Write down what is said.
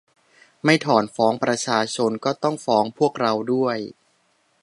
ไม่ถอนฟ้องประชาชน ก็ต้องฟ้องพวกเราด้วย